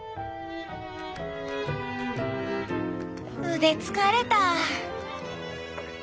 腕疲れたぁ。